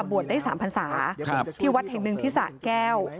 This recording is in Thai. บวชได้๓ภาษาที่วัดแห่ง๑พิสาะแก้ว